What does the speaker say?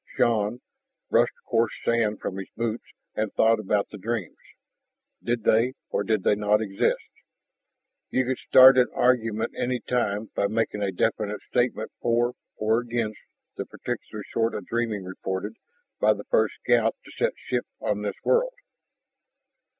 Shann brushed coarse sand from his boots and thought about the dreams. Did they or did they not exist? You could start an argument any time by making a definite statement for or against the peculiar sort of dreaming reported by the first scout to set ship on this world.